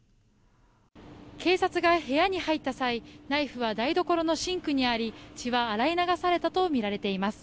警察が部屋に入った際ナイフは台所のシンクにあり血は洗い流されたとみられています。